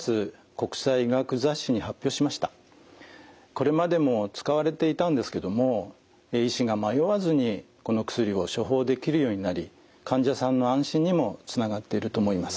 これまでも使われていたんですけども医師が迷わずにこの薬を処方できるようになり患者さんの安心にもつながっていると思います。